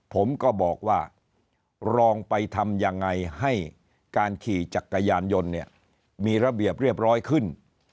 ผมก็บอกว่าลองไปทำยังไงให้การขี่จักรยานยนต์เนี่ยมีระเบียบเรียบร้อยขึ้น